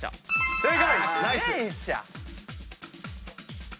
正解。